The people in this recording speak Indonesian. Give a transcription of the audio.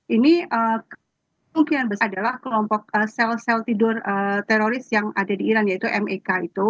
ini kemungkinan besar adalah kelompok sel sel tidur teroris yang ada di iran yaitu mek itu